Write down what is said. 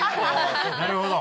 なるほど！